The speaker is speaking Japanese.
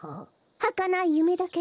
はかないゆめだけど。